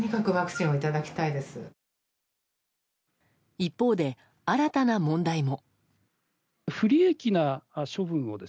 一方で、新たな問題も。